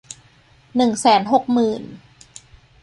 หนึ่งแสนหกหมื่น